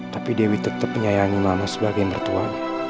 tapi dewi tetap menyayangi mama sebagai mertua